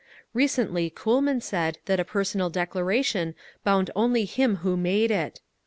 Recently Kuhlman said that a personal declaration bound only him who made it….